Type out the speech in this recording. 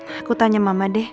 aku tanya mama deh